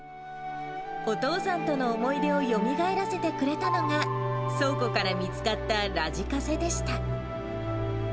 お父さんとの思い出をよみがえらせてくれたのが、倉庫から見つかったラジカセでした。